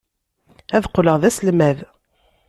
Ad qqleɣ d aselmad.